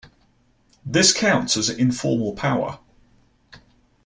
This counts as informal power.